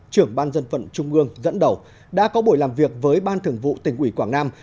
trưởng ban dân vận trung ương dẫn đầu đã có buổi làm việc với ban thường vụ tỉnh ủy quảng nam